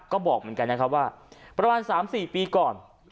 ก็บอกเหมือนกันนะครับว่าประมาณ๓๔ปีก่อน